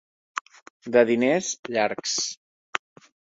De diners llargs.